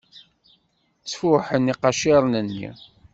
Ttfuḥen iqaciren-nni.